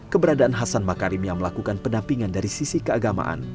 keberadaan hasan makarim yang melakukan pendampingan dari sisi keagamaan